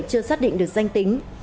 chưa xác định được danh tính